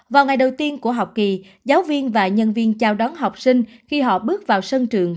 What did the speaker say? vào ngày đầu tiên của học kỳ giáo viên và nhân viên chào đón học sinh khi họ bước vào sân trường